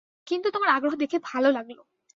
কিন্তু তোমার আগ্রহ দেখে ভালো লাগলো।